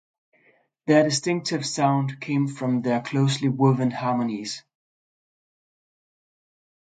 Their distinctive sound came from their closely woven harmonies.